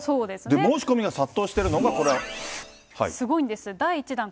申し込みが殺到しているのが、すごいんです。